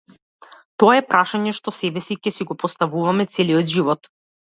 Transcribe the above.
Тоа е прашање што себеси ќе си го поставуваме целиот живот.